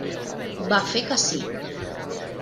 Va fer que sí.